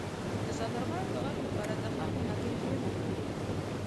د سندرغاړو د غږ لپاره د خامې هګۍ ژیړ وخورئ